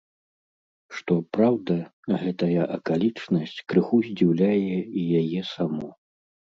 Што праўда, гэтая акалічнасць крыху здзіўляе і яе саму.